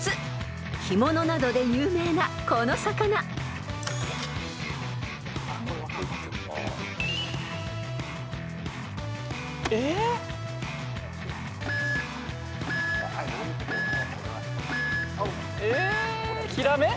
［干物などで有名なこの魚］えっ？え？